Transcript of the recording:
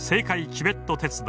チベット鉄道。